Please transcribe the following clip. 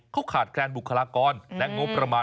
เขาขาดแคลนบุคลากรและงบประมาณ